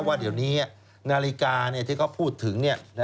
ว่าเดี๋ยวนี้นาฬิกาเนี่ยที่เขาพูดถึงเนี่ยนะฮะ